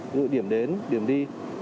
gửi điểm đến điểm đi